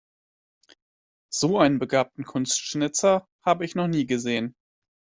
So einen begabten Kunstschnitzer habe ich noch nie gesehen.